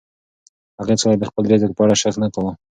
هغه هیڅکله د خپل رزق په اړه شک نه کاوه.